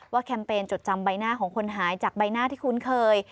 แคมเปญจดจำใบหน้าของคนหายจากใบหน้าที่คุ้นเคย